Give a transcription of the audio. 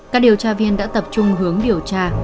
các điều tra viên đã tập trung hướng điều tra